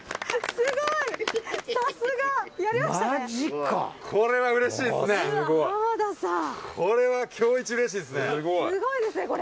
すごいですねこれ。